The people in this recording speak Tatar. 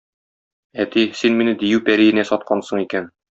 Әти, син мине дию пәриенә саткансың икән.